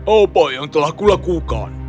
apa yang telah kulakukan